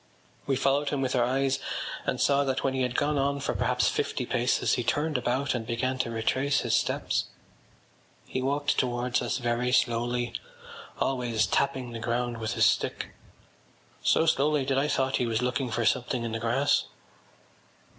We followed him with our eyes and saw that when he had gone on for perhaps fifty paces he turned about and began to retrace his steps. He walked towards us very slowly, always tapping the ground with his stick, so slowly that I thought he was looking for something in the grass.